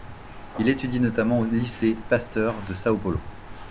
Il étudie notamment au lycée Pasteur de São Paulo.